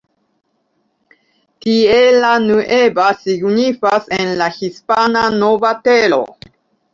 Tierra Nueva signifas en la hispana "Nova Tero".